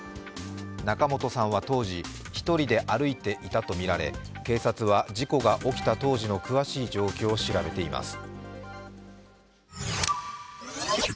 仲本さんは当時、１人で歩いていたとみられ警察は事故が起きた当時の詳しい状況を調べています。